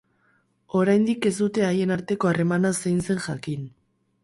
Oraindik ez dute haien arteko harremana zein zen jakin.